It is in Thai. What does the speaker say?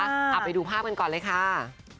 เอาไปดูภาพกันก่อนเลยค่ะ